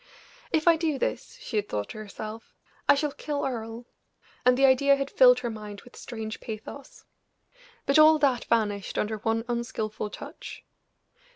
"If I do this," she had thought to herself, "I shall kill Earle," and the idea had filled her mind with strange pathos. But all that vanished under one unskillful touch.